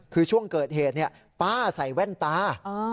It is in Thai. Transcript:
คือช่วงเกิดเหตุป้าใส่แว่นตา